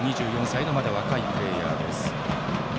２４歳のまだ若いプレーヤーです。